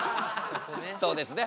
そうですね。